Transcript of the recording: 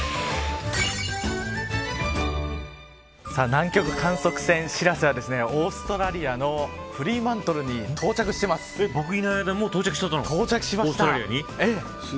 南極観測船しらせはオーストラリアのフリーマントルに到着してます。